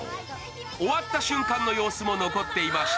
終わった瞬間の様子も残っていました。